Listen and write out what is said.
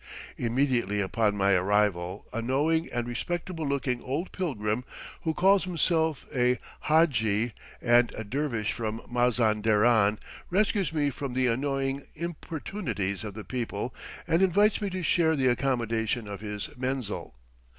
Immediately upon my arrival a knowing and respectable looking old pilgrim, who calls himself a hadji and a dervish from Mazan deran, rescues me from the annoying importunities of the people and invites me to share the accommodation of his menzil.